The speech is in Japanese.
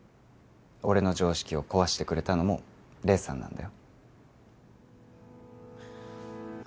俺の常識を壊してくれたのも黎さんなんだよ